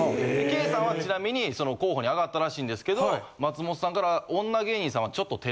ケイさんはちなみにその候補に挙がったらしいんですけど松本さんから。